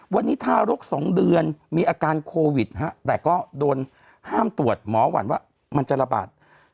วันนี้ทารก๒เดือนมีอาการโควิดแต่ก็โดนห้ามตรวจหมอหวั่นว่ามันจะระบาด